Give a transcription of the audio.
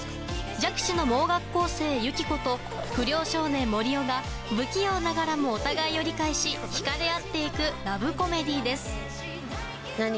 弱視の盲学校生・ユキコと不良少年・森生が不器用ながらもお互いを理解し引かれ合っていくラブコメディーです。